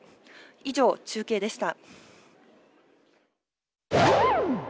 以上、中継でした。